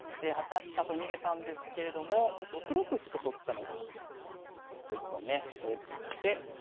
８八飛車と逃げたんですけれども６六歩と取ったのが結構一本ね大きくて。